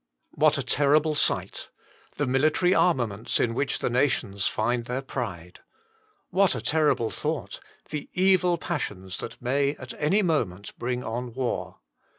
What a terrible sight ! the military armaments in which the nations find their pride. What a terrible thought ! the evil passions that may at any moment bring on war.